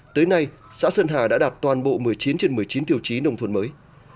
tới nay xã sơn hà đã đạt toàn bộ một mươi chín trên một mươi chín tiêu chí nông thôn mới